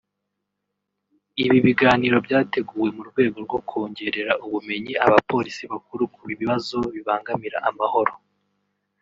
Ibi biganiro byateguwe mu rwego rwo kongerera ubumenyi aba bapolisi bakuru ku bibazo bibangamira amahoro